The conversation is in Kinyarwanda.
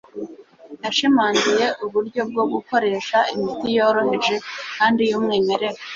yashimangiye uburyo bwo gukoresha imiti yoroheje, kandi y'umwimerere.